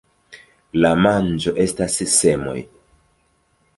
La manĝo estas semoj.